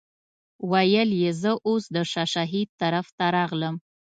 ویل یې زه اوس د شاه شهید طرف ته راغلم.